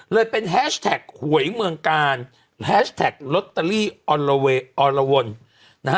เลยเป็นแฮชแท็กหัวหญิงเมืองกาลแฮชแท็กล็อตเตอรี่ออนละวน